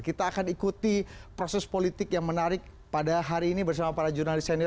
kita akan ikuti proses politik yang menarik pada hari ini bersama para jurnalis senior